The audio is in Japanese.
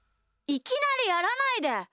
いきなりやらないで。